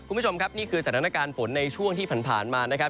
คุณผู้ชมครับนี่คือสถานการณ์ฝนในช่วงที่ผ่านมานะครับ